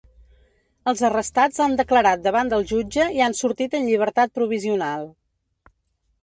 Els arrestats han declarat davant del jutge i han sortit en llibertat provisional.